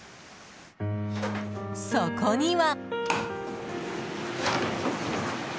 そこには。